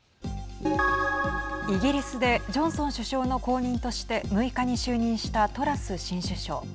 イギリスでジョンソン首相の後任として６日に就任したトラス新首相。